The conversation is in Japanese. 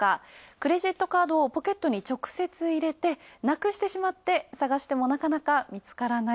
クレジットカードをポケットに直接入れてなくしてしまって、探しても、なかなか見つからない。